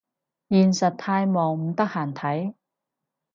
現實太忙唔得閒睇